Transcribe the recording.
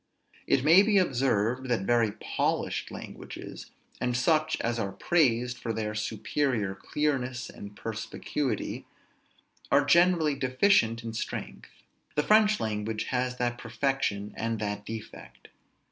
It may be observed, that very polished languages, and such as are praised for their superior clearness and perspicuity, are generally deficient in strength. The French language has that perfection and that defect.